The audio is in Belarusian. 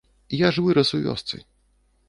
Я ж вырас у вёсцы.